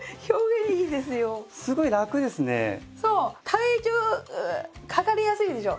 体重かかりやすいでしょ。